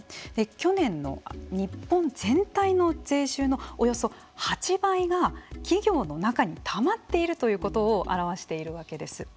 去年の日本全体の税収のおよそ８倍が企業の中にたまっているということを表しているわけです。